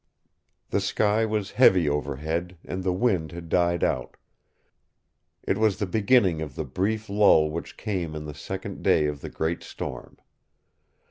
The sky was heavy overhead, and the wind had died out. It was the beginning of the brief lull which came in the second day of the Great Storm.